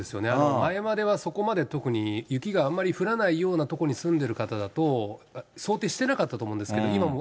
前まではそこまで特に、雪があんまり降らないような所に住んでいる方だと、想定してなかったと思うんですけど、今もう、